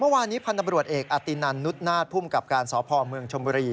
วันนี้พนับรวจเอกอธินันต์นุษย์นาธิ์ผู้มกับการสอบพอมเมืองชมบุรี